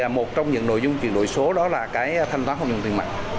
một trong những nội dung chuyển đổi số đó là thanh toán không dùng tiền mạng